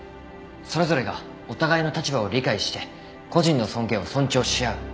それぞれがお互いの立場を理解して個人の尊厳を尊重し合う。